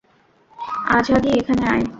আঝাগি, এখানে আয়।